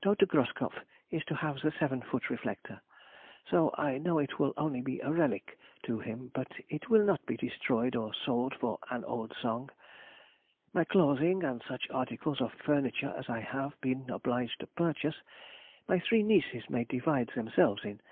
Dr. Groskopf is to have the seven foot reflector, though I know it will only be a relic to him, but it will not be destroyed or sold for an old song. My clothing and such articles of furniture as I have been obliged to purchase, my three nieces may divide themselves in.